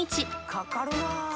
かかるな。